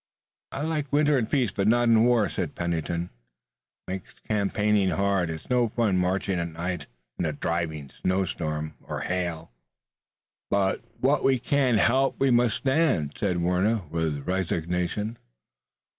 "I like winter in peace, but not in war," said Pennington. "It makes campaigning hard. It's no fun marching at night in a driving storm of snow or hail." "But what we can't help we must stand," said Warner with resignation.